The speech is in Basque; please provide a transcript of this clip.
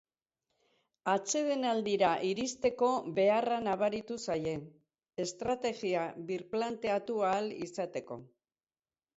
Atsedenaldira iristeko beharra nabaritu zaie, estrategia birplanteatu ahal izateko.